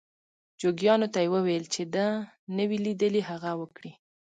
جوګیانو ته یې وویل چې ده نه وي لیدلي هغه وکړي.